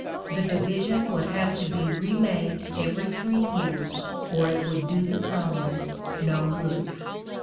The division would have to be remade every three years or it would do the communist no good."